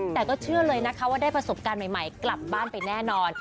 แต่ก็เชื่อเลยนะคะว่าได้ประสบการณ์ใหม่กลับบ้านไปแน่นอน